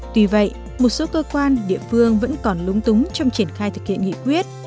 tuy vậy một số cơ quan địa phương vẫn còn lúng túng trong triển khai thực hiện nghị quyết